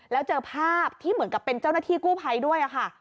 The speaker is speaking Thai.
แล้วเจอภาพที่เหมือนกับเป็นเจ้าหน้าที่กู้ภัยด้วยค่ะ